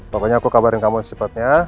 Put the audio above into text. pokoknya aku kabarin kamu secepatnya